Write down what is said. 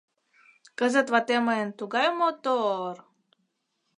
Кызыт ватем мыйын тугай мо-тор-р!